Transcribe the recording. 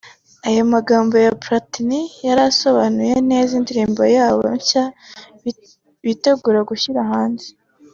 Aya magambo ya Platini yari asobanuye neza indirimbo yabo nshya bitegura gushyira hanze